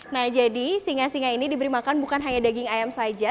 nah jadi singa singa ini diberi makan bukan hanya daging ayam saja